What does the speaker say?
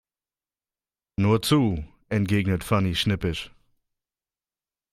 Nur zu, entgegnet Fanny schnippisch.